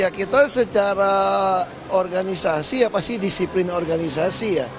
ya kita secara organisasi ya pasti disiplin organisasi ya